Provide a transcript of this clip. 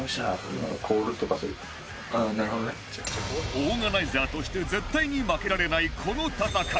オーガナイザーとして絶対に負けられないこの戦い